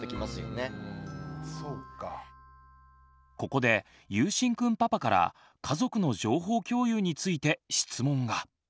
ここでゆうしんくんパパから「家族の情報共有」について質問が。